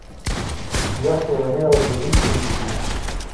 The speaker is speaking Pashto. یخ یې وهي او ډېرۍ ترې جوړېږي